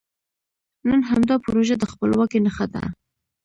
نن همدا پروژه د خپلواکۍ نښه ده.